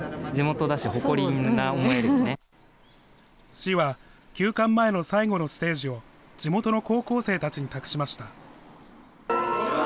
市は休館前の最後のステージを、地元の高校生たちに託しました。